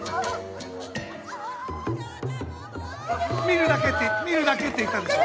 見るだけって見るだけって言ったでしょ！